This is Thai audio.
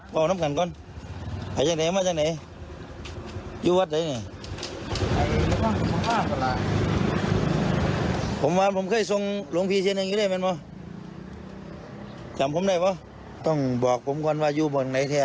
หลวงพี่เชียงอย่างงี้ได้มั้ยจำผมได้ป่ะต้องบอกผมก่อนว่าอยู่บนไหนแท้